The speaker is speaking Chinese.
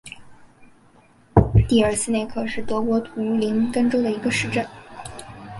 蒂尔施内克是德国图林根州的一个市镇。